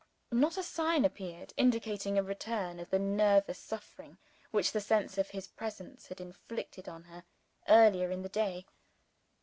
Not a sign appeared indicating a return of the nervous suffering which the sense of his presence had inflicted on her, earlier in the day.